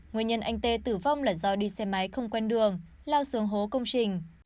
nguyên nhân anh tê tử vong là do đi xe máy không quen đường lao xuống hố công trình